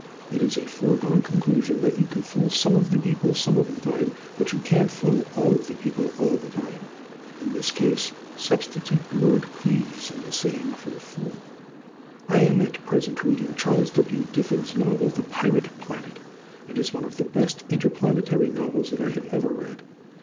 It is a foregone conclusion that you can fool some of the people some of the time, but you can't fool all of the people all the time. In this case substitute the word "please" in the saying for "fool." I am at present reading Charles W. Diffin's novel "The Pirate Planet." It is one of the best interplanetary novels that I have ever read.